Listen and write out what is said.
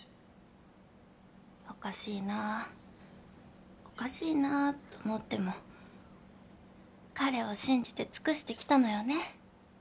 おかしいなおかしいなと思っても彼を信じて尽くしてきたのよね。